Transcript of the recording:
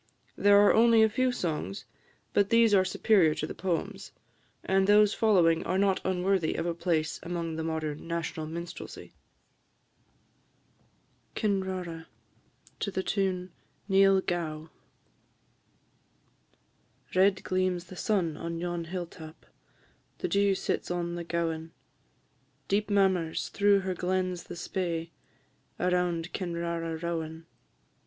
There are only a few songs, but these are superior to the poems; and those following are not unworthy of a place among the modern national minstrelsy. KINRARA. TUNE "Neil Gow." Red gleams the sun on yon hill tap, The dew sits on the gowan; Deep murmurs through her glens the Spey, Around Kinrara rowan.